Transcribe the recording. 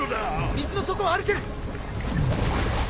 水の底を歩ける！